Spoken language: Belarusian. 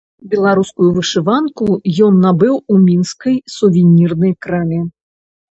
Беларускую вышыванку ён набыў у мінскай сувернірнай краме.